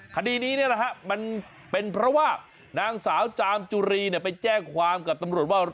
คดีนี้มันเป็นเพราะว่านางสาวจามจุรีไปแจ้งความกับตำรวจว่า